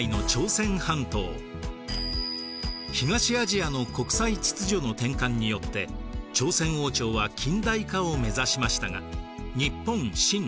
東アジアの国際秩序の転換によって朝鮮王朝は近代化を目指しましたが日本清